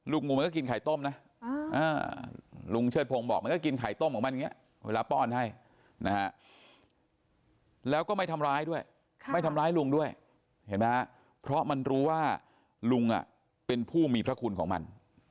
งูมันก็กินไข่ต้มนะลุงเชิดพงศ์บอกมันก็กินไข่ต้มของมันอย่างนี้เวลาป้อนให้นะฮะแล้วก็ไม่ทำร้ายด้วยไม่ทำร้ายลุงด้วยเห็นไหมเพราะมันรู้ว่าลุงเป็นผู้มีพระคุณของมัน